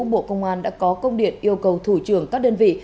bộ công an đã có công điện yêu cầu thủ trưởng các đơn vị